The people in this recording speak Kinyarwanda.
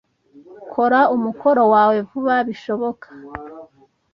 Kora umukoro wawe vuba bishoboka.